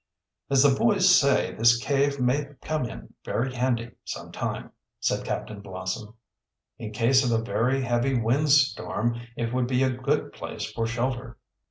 "As the boys say, this cave may come in very handy some time," said Captain Blossom. "In case of a very heavy wind storm it would be a good place for shelter."